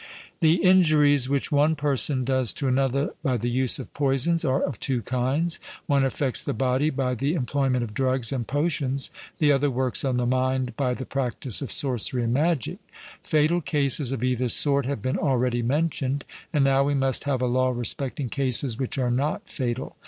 The injuries which one person does to another by the use of poisons are of two kinds; one affects the body by the employment of drugs and potions; the other works on the mind by the practice of sorcery and magic. Fatal cases of either sort have been already mentioned; and now we must have a law respecting cases which are not fatal.